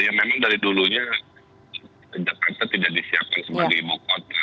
ya memang dari dulunya jakarta tidak disiapkan sebagai ibu kota